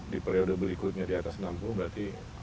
di periode berikutnya di atas enam puluh berarti